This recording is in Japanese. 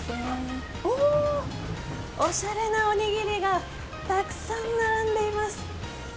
おしゃれなおにぎりがたくさん並んでいます。